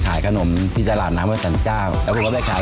สุดท้ายแล้วเราจัดการเรื่องหนี้ยังไงครับ